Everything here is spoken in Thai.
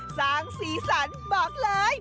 สร้างสีสันบอกเลย